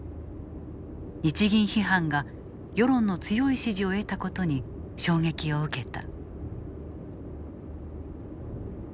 日銀批判が世論の強い支持を得たことに衝撃を受けた。